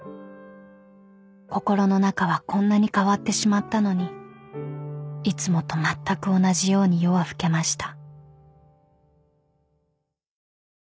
［心の中はこんなに変わってしまったのにいつもとまったく同じように夜は更けました］